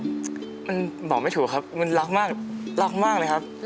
มันบอกไม่ถูกครับมันรักมากรักมากเลยครับ